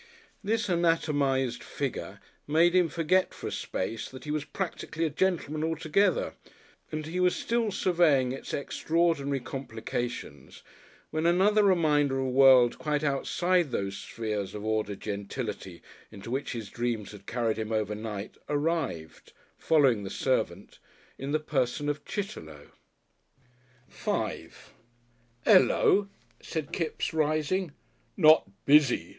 This anatomised figure made him forget for a space that he was "practically a gentleman" altogether, and he was still surveying its extraordinary complications when another reminder of a world quite outside those spheres of ordered gentility into which his dreams had carried him overnight, arrived (following the servant) in the person of Chitterlow. §5 "Ul lo!" said Kipps, rising. "Not busy?"